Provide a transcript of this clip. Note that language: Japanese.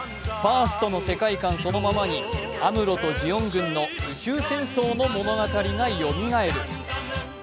ファーストの世界観そのままにアムロとジオン軍の宇宙戦争の物語がよみがえる。